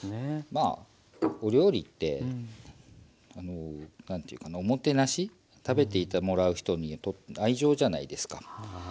まあお料理ってあの何ていうかなおもてなし食べてもらう人に愛情じゃないですか。